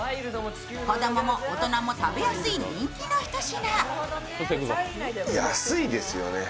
子供も大人も食べやすい人気のひと品。